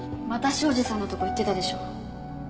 また庄司さんのとこ行ってたでしょ。